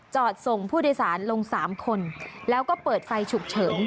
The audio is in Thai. ส่งผู้โดยสารลง๓คนแล้วก็เปิดไฟฉุกเฉิน